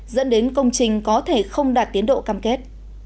dẫn đến công trình có thể không đạt tiến độ cam kết